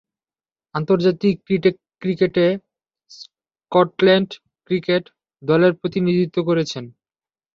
আন্তর্জাতিক ক্রিকেটে Scotland cricket দলের প্রতিনিধিত্ব করছেন।